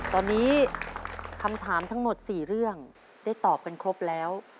ตอนนี้คำถามทั้งหมด๔เรื่องได้ตอบกันครบแล้ว